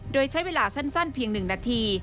โดยใช้เวลาสั้นเพียง๑นาที